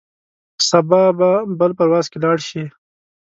سبا به بل پرواز کې لاړ شې.